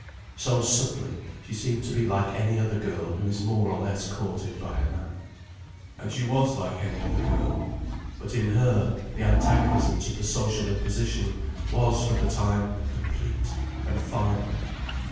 So subtly, she seemed to be like any other girl who is more or less courted by a man. And she was like any other girl. But in her, the antagonism to the social imposition was for the time complete and final.